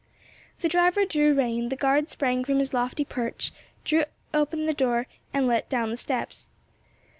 The driver drew rein, the guard sprang from his lofty perch, threw open the door and let down the steps.